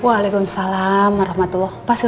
waalaikumsalam warahmatullahi wabarakatuh